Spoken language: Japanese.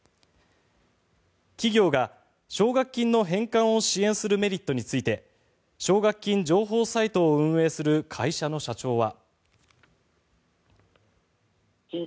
企業が奨学金の返還を支援するメリットについて奨学金情報サイトを運営する会社の社長は。